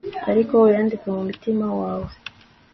ariko uyandike mumitima wawe